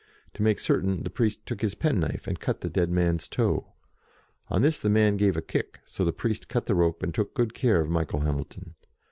To make certain, the priest took his pen knife, and cut the dead man's toe. On this the man gave a kick, so the priest cut the rope, and took good care of Michael Hamilton.